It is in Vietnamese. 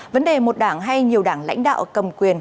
vấn đề một đảng hay nhiều đảng lãnh đạo cầm quyền